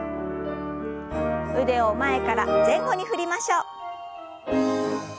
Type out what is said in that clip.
腕を前から前後に振りましょう。